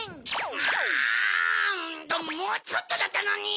あもうちょっとだったのに！